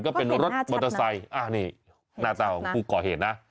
ก็เป็นรถมอเตอร์ไซค์นี่หน้าตาของผู้ก่อเหตุนะ